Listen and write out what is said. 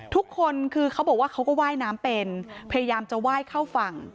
ทุกคนคือเขาบอกว่าเขาก็ว่ายน้ำเป็นพยายามจะไหว้เข้าฝั่ง